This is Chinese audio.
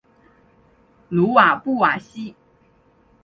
鲁瓦布瓦西。